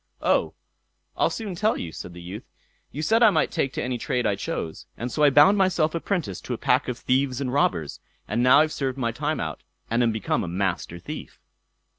"Oh! I'll soon tell you", said the youth. "You said I might take to any trade I chose, and so I bound myself apprentice to a pack of thieves and robbers, and now I've served my time out, and am become a Master Thief."